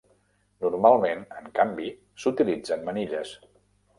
Normalment, en canvi, s"utilitzen manilles.